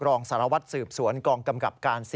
รองสารวัตรสืบสวนกองกำกับการ๔